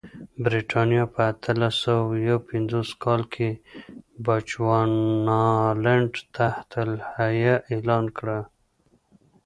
برېټانیا په اتلس سوه یو پنځوس کال کې بچوانالنډ تحت الحیه اعلان کړ.